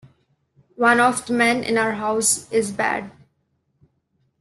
One of the men in our house is bad.